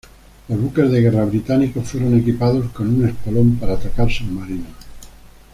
Los buques de guerra británicos fueron equipados con un espolón para atacar submarinos.